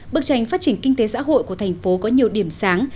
bức tranh phát triển kinh tế xã hội của thành phố có nhiều điểm sáng